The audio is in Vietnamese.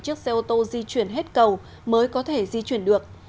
chiếc xe ô tô di chuyển hết cầu mới có thể di chuyển được